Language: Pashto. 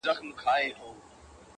سترگي له سترگو بېرېږي.